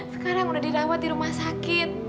sekarang udah dirawat di rumah sakit